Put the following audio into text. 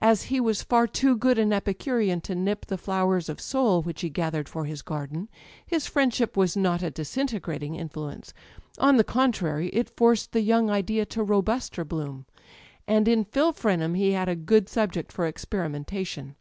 As he was far too good an Epi curean to nip the flowers of soul which he gathered for his garden, his friendship was not a disint^rating in fluence: on the contrary, it forced the young idea to robuster bloom. And in Phil Frenham he had a good subject for experimentation.